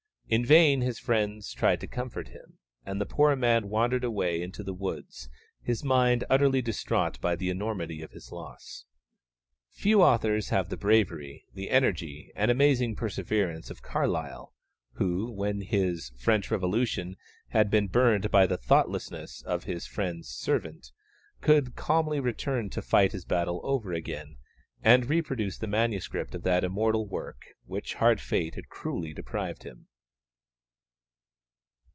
In vain his friends tried to comfort him, and the poor man wandered away into the woods, his mind utterly distraught by the enormity of his loss. Few authors have the bravery, the energy, and amazing perseverance of Carlyle, who, when his French Revolution had been burned by the thoughtlessness of his friend's servant, could calmly return to fight his battle over again, and reproduce the MS. of that immortal work of which hard fate had cruelly deprived him.